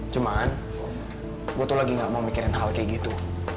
cuman gue tuh lagi nggak mau mikirin hal kayak gitu